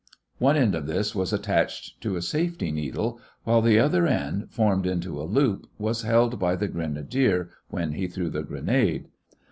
One end of this was attached to a safety needle, A, while the other end, formed into a loop, was held by the grenadier when he threw the grenade.